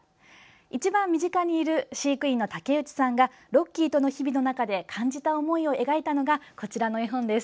一番身近にいる飼育員の竹内さんがロッキーとの日々の中で感じた思いを描いたのがこちらの絵本です。